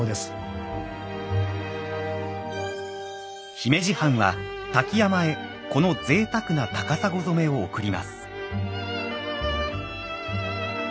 姫路藩は瀧山へこの贅沢な高砂染を贈ります。